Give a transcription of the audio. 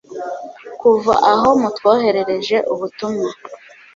kuva aho mutwoherereje ubutumwa